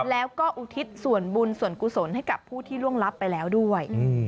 แล้วก็อุทิศส่วนบุญส่วนกุศลให้กับผู้ที่ล่วงลับไปแล้วด้วย